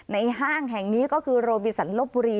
ห้างแห่งนี้ก็คือโรบิสันลบบุรี